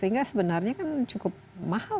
sehingga sebenarnya kan cukup mahal